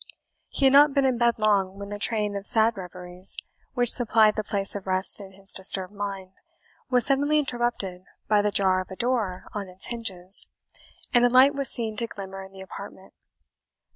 He had not been in bed long, when the train of sad reveries, which supplied the place of rest in his disturbed mind, was suddenly interrupted by the jar of a door on its hinges, and a light was seen to glimmer in the apartment.